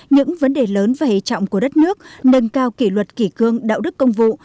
những vấn đề lớn và hệ trọng của đất nước nâng cao kỷ luật kỷ cương đạo đức công vụ